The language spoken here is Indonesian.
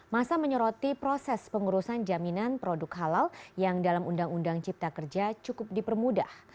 masa menyoroti proses pengurusan jaminan produk halal yang dalam undang undang cipta kerja cukup dipermudah